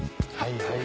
はい！